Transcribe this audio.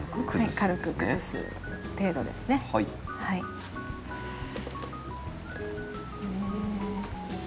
軽く崩す程度ですね。